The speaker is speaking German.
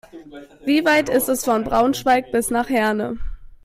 Wie weit ist es von Braunschweig bis nach Herne?